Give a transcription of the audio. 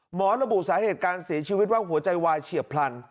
ระบุสาเหตุการเสียชีวิตว่าหัวใจวายเฉียบพลัน